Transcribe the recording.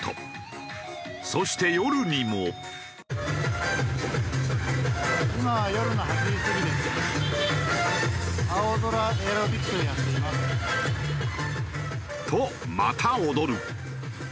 そして夜にも。とまた踊る。